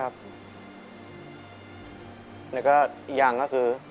แล้วก็ยังก็คือ